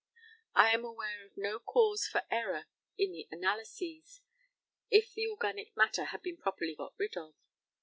I am aware of no cause for error in the analyses, if the organic matter had been properly got rid of.